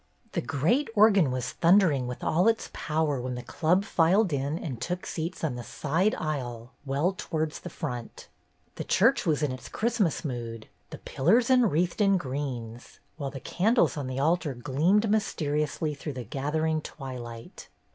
The great organ was thundering with all its power when the Club filed in and took seats on the side aisle, well towards the front. The church was in its Christmas mood, the pillars enwreathed in greens, while the candles on the altar gleamed mysteriously through the gather ing twilight.